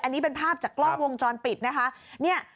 อันนี้เป็นภาพจากกล้องวงจรปิดนะคะ